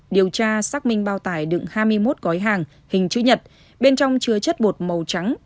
điều tra xác minh bao tải đựng hai mươi một gói hàng hình chữ nhật bên trong chứa chất bột màu trắng